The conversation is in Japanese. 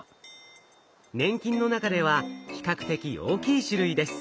粘菌の中では比較的大きい種類です。